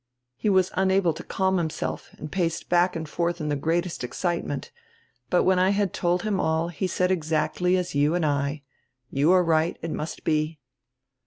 He was unable to calm himself, and paced bade and forth in the greatest excitement. But when I had told him all he said exactly as you and I: 'You are right, it must be.'"